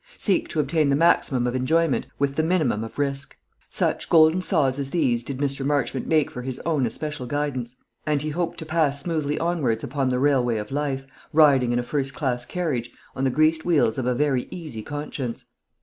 Seek to obtain the maximum of enjoyment with the minimum of risk." Such golden saws as these did Mr. Marchmont make for his own especial guidance; and he hoped to pass smoothly onwards upon the railway of life, riding in a first class carriage, on the greased wheels of a very easy conscience.